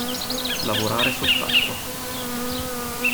Lavorare sott'acqua.